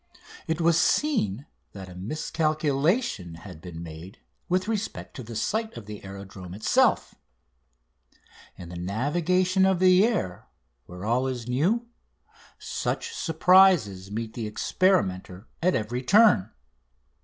It was seen that a miscalculation had been made with respect to the site of the aerodrome itself. In the navigation of the air, where all is new, such surprises meet the experimenter at every turn.